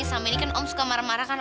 sama ini kan om suka marah marah kan